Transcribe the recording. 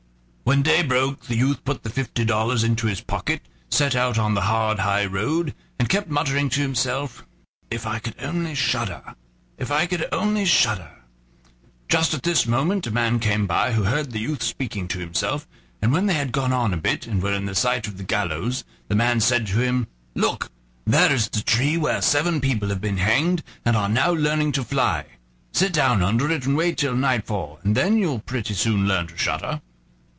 When day broke the youth put the fifty dollars into his pocket, set out on the hard high road, and kept muttering to himself: "If I could only shudder! if I could only shudder!" Just at this moment a man came by who heard the youth speaking to himself, and when they had gone on a bit and were in sight of the gallows the man said to him: "Look! there is the tree where seven people have been hanged, and are now learning to fly; sit down under it and wait till nightfall, and then you'll pretty soon learn to shudder."